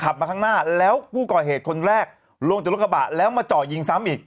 บัตรประชาชน